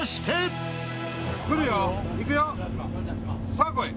さあこい！